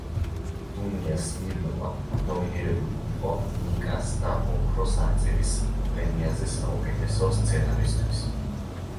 დუნია სმირნოვა ნომინირებული იყო „ნიკას“ და „ოქროს არწივის“ პრემიაზე საუკეთესო სცენარისთვის.